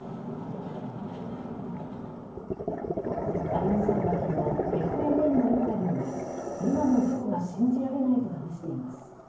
歩さんは昨日ＦＮＮのインタビューに今も事故が信じられないと話しています。